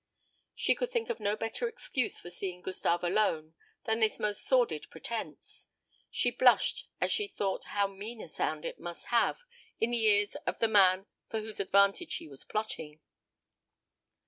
She could think of no better excuse for seeing Gustave alone than this most sordid pretence. She blushed as she thought how mean a sound it must have in the ears of the man for whose advantage she was plotting.